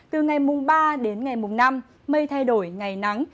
từ ngày mùng ba đến ngày mùng năm mây thay đổi ngày nắng